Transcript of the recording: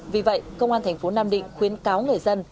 vì vậy công an tp nam định khuyến cáo người dân